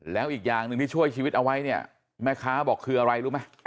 แล้วอีกอย่างหนึ่งที่ช่วยชีวิตเอาไว้เนี่ยแม่ค้าบอกคืออะไรรู้ไหม